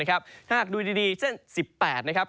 ถ้าหากดูดีเช่น๑๘นะครับ